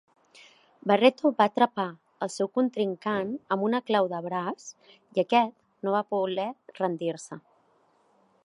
Barreto va atrapar el seu contrincant amb una clau de braç i aquest no va voler rendir-se.